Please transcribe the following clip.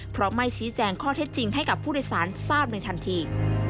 เพราะไม่ชี้แจงข้อเท็จจริงให้กับผู้โดยสารทราบในทันที